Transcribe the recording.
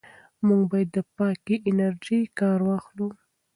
موږ باید له پاکې انرژۍ کار واخلو.